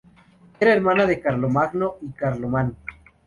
Era hermana de Carlomagno y Carlomán.